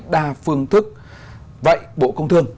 đa phương thức vậy bộ công thương